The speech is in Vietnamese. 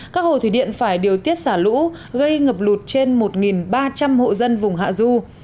các hồ thủy điện phải điều tiết xả lũ gây ngập lụt trên một ba trăm linh hộ dân vùng hạ du